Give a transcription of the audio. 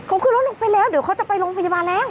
เขาขึ้นรถลงไปแล้วเดี๋ยวเขาจะไปโรงพยาบาลแล้ว